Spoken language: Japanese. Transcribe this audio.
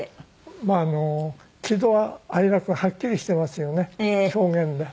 まああの喜怒哀楽がはっきりしてますよね表現ね。